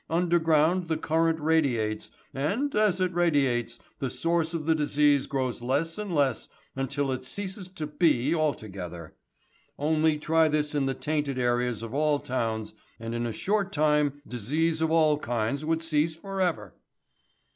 Underground the current radiates, and, as it radiates, the source of the disease grows less and less until it ceases to be altogether. Only try this in the tainted areas of all towns and in a short time disease of all kinds would cease for ever."